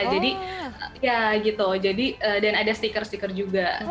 jadi ya gitu dan ada stiker stiker juga